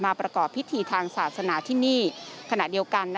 ประกอบพิธีทางศาสนาที่นี่ขณะเดียวกัน